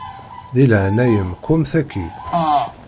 Di leɛnaya-m qwem taki.